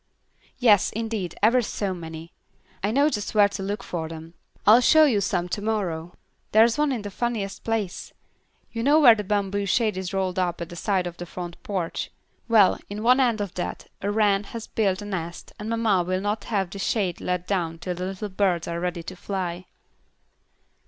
"Yes, indeed, ever so many. I know just where to look for them. I'll show you some to morrow. There's one in the funniest place. You know where the bamboo shade is rolled up at the side of the front porch: well, in one end of that a wren has built a nest, and mamma will not have the shade let down till the little birds are ready to fly."